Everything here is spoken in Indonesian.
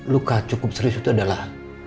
luka cukup serius itu adalah